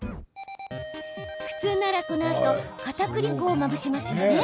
普通なら、このあとかたくり粉をまぶしますよね。